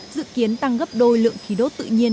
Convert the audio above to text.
dự kiến tăng gấp đôi lượng khí đốt tự nhiên